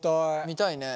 見たいね。